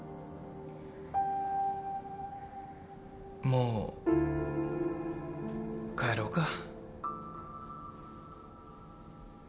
もう帰ろうか。